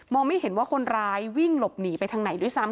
ไม่เห็นว่าคนร้ายวิ่งหลบหนีไปทางไหนด้วยซ้ำ